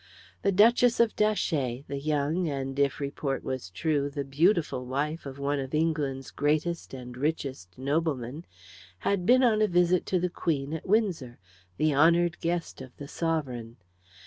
The Duchess of Datchet, the young, and, if report was true, the beautiful wife of one of England's greatest and richest noblemen, had been on a visit to the Queen at Windsor the honoured guest of the Sovereign.